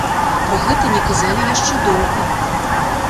Пра гэта не казалі яшчэ доўга.